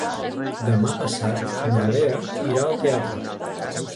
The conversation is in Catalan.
Demà passat na Lea irà al teatre.